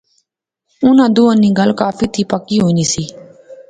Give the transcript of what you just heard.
انیں دوئیں نی گل کافی تھی پکی ہوئی نی سی